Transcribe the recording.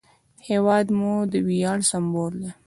هېواد مو د ویاړ سمبول دی